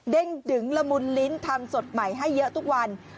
ดึงละมุนลิ้นทำสดใหม่ให้เยอะทุกวัน